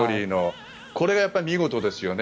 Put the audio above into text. これが見事ですよね。